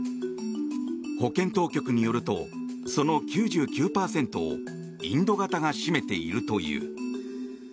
保健当局によるとその９９％をインド型が占めているという。